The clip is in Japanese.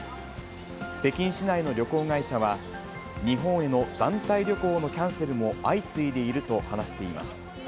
北京市内の旅行会社は、日本への団体旅行のキャンセルも相次いでいると話しています。